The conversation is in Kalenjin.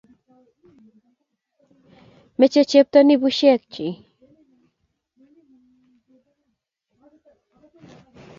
meche chepto ni bushekchi